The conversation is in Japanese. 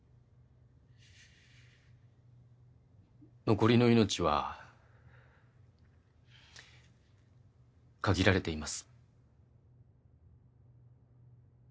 残りの命は限られています。